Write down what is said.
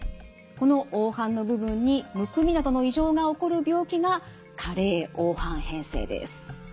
この黄斑の部分にむくみなどの異常が起こる病気が加齢黄斑変性です。